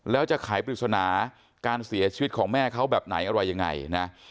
แล้วจะขายปริศนาการเสียชีวิตของแม่เขาแบบไหนอะไรยังไงนะ